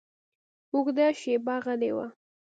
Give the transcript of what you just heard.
اوږده شېبه غلی و.